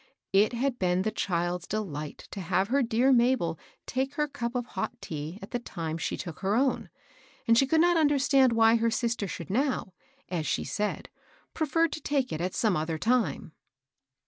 It had been the child's delight to have her dear Mabel take her cup of hot tea at the time she took her own, and she could not understand why her sister should now, as she said, prefer to take it at some other time.